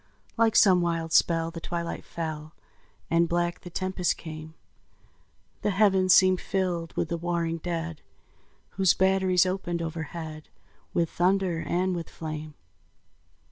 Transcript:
Like some wild spell the twilight fell, And black the tempest came; The heavens seemed filled with the warring dead, Whose batteries opened overhead With thunder and with flame.